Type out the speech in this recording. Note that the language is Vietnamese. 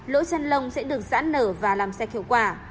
sau khi xay lỗ chân lông sẽ được giãn nở và làm sạch hiệu quả